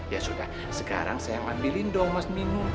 ya sudah sekarang saya ngambilin dong mas minum